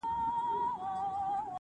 o که مي نصیب وطن ته وسو,